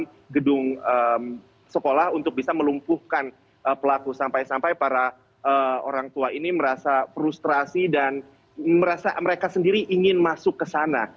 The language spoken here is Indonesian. di gedung sekolah untuk bisa melumpuhkan pelaku sampai sampai para orang tua ini merasa frustrasi dan merasa mereka sendiri ingin masuk ke sana